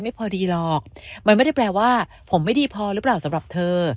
ไม่พอดีหรอกมันไม่ได้แปลว่าผมไม่พอสำหรับเธอ